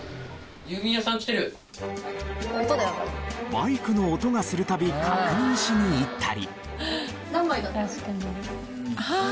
バイクの音がする度確認しに行ったり。